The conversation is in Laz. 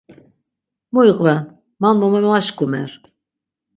Mu iqven man mo memaşkumer.